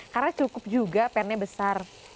karena cukup juga pan nya besar